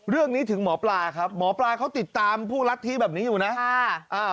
เรื่องนี้ถึงหมอปลาครับหมอปลาเขาติดตามผู้รัฐธิแบบนี้อยู่นะ